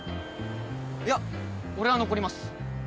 いや俺は残ります。